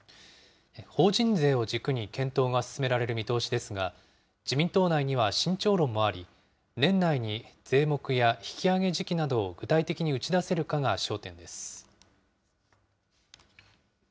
法人税を軸に検討が進められる見通しですが、自民党内には慎重論もあり、年内に税目や引き上げ時期などを具体的に打ち出せるかが焦点です。